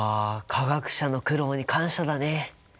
化学者の苦労に感謝だね。